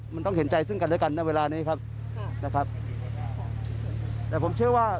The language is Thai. มันต้องเห็นใจซึ่งกันและกันในเวลานี้ครับค่ะนะครับแต่ผมเชื่อว่า